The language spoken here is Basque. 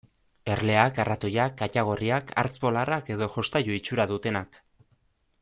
Erleak, arratoiak, katagorriak, hartz polarrak edo jostailu itxura dutenak.